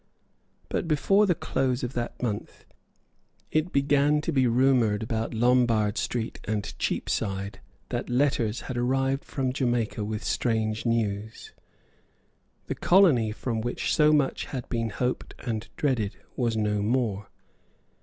But, before the close of that month, it began to be rumoured about Lombard Street and Cheapside that letters had arrived from Jamaica with strange news. The colony from which so much had been hoped and dreaded was no more.